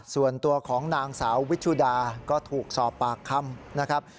ส่วนตัวของนางสาววิชุดาก็ถูกสอบปากคำนะครับ